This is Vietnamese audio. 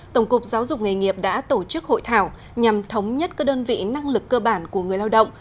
tổng cục giáo dục nghề nghiệp đã tổ chức hội thảo nhằm thống nhất các đơn vị năng lực cơ bản của người lao động